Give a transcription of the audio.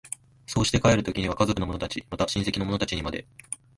そうして帰る時には家族の者たち、また親戚の者たちにまで、